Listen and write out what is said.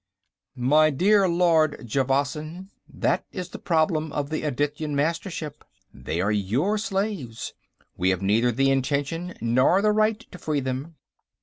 "My dear Lord Javasan, that is the problem of the Adityan Mastership. They are your slaves; we have neither the intention nor the right to free them.